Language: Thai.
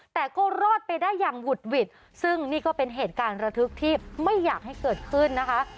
แต่ก็รอดไปได้อย่างหุดหวิดซึ่งนี่ก็เป็นเหตุการณ์ระทึกที่ไม่อยากให้เกิดขึ้นนะคะ